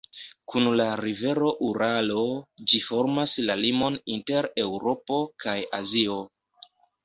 Kun la rivero Uralo ĝi formas la limon inter Eŭropo kaj Azio.